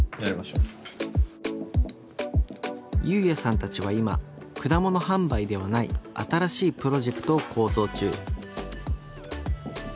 侑弥さんたちは今果物販売ではない新しいプロジェクトを構想中。